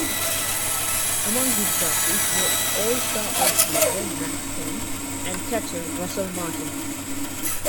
Among his draftees were All-Star outfielder Matt Kemp and catcher Russell Martin.